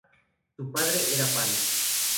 Su padre era Pan.